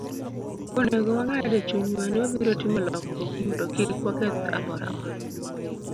Onego wang'ad e chunywa ni wabiro timo lokruok mondo kik waketh alworawa.